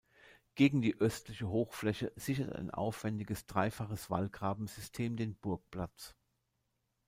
Gegen die östliche Hochfläche sichert ein aufwändiges dreifaches Wallgrabensystem den Burgplatz.